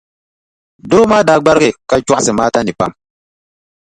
Dɔro maa daa gbarigi ka chɔɣisi Maata nii pam.